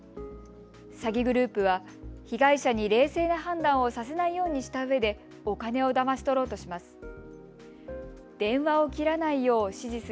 詐欺グループは被害者に冷静な判断をさせないようにしたうえでお金をだまし取ろうとします。